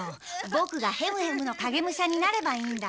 ボクがヘムヘムの影武者になればいいんだろ。